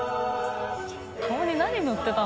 顔に何塗ってたの？